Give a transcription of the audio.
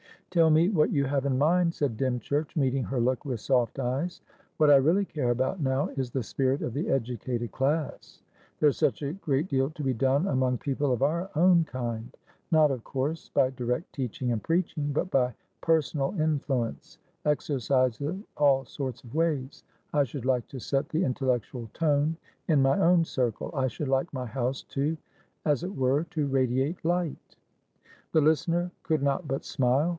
"Tell me what you have in mind," said Dymchurch, meeting her look with soft eyes. "What I really care about now is the spirit of the educated class. There's such a great deal to be done among people of our own kind. Not of course by direct teaching and preaching, but by personal influence, exercised in all sorts of ways. I should like to set the intellectual tone in my own circle. I should like my house toas it were, to radiate light." The listener could not but smile.